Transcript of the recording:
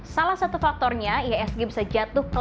salah satu faktornya ihsg bisa jatuh ke level empat an